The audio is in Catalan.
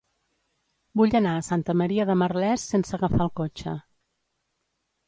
Vull anar a Santa Maria de Merlès sense agafar el cotxe.